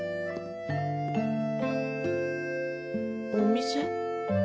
お店？